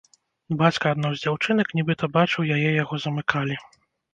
Бацька адной з дзяўчынак нібыта бачыў, яе яго замыкалі.